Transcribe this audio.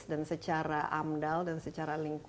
dan secara amdal dan secara lingkungan